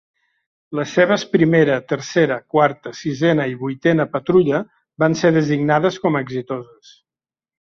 Les seves primera, tercera, quarta, sisena i vuitena patrulla van ser designades com a exitoses.